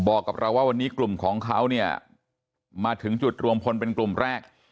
บอกกับเราว่าวันนี้กลุ่มของเขาเนี่ยมาถึงจุดรวมพลเป็นกลุ่มแรก